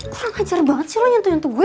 kurang ajar banget sih lo nyentuh nyentuh gue